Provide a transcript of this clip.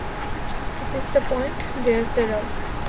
This is the point. There's the rub.